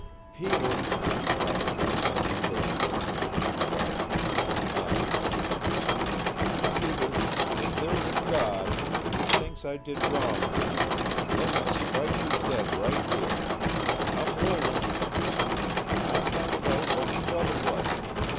"Peter " Jolly Roger leaned over in the thickening dusk, and his eyes gleamed. "Peter, if there's a God, an' He thinks I did wrong then, let Him strike me dead right here! I'm willin'. I found out what the trouble was.